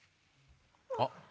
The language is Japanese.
あっ！